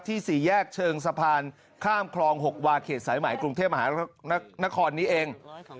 สี่แยกเชิงสะพานข้ามคลอง๖วาเขตสายใหม่กรุงเทพมหานครนี้เอง